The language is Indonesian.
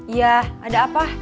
iya ada apa